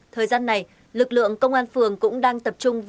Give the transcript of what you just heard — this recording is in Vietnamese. thời gian này lực lượng công an phường cũng đang tập trung vào